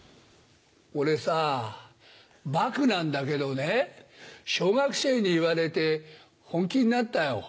俺さぁバクなんだけどね小学生に言われて本気になったよ。